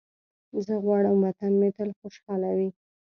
زه غواړم وطن مې تل خوشحاله وي.